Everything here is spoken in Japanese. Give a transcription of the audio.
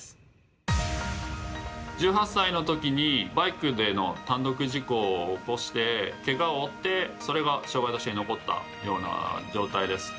１８歳のときにバイクでの単独事故を起こしてけがを負ってそれが障がいとして残ったような状態です。